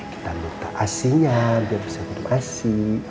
kita nunggu asinya biar bisa kudum asih